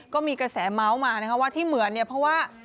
ก็มีกระแสเม้ามาว่าที่เหมือนเพราะว่า